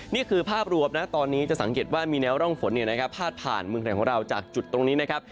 นี่คือภาพรวมนะตอนนี้จะสังเกตว่ามีแนวร่องฝนพาดผ่านเมืองไทยของเราจากจุดตรงนี้นะครับ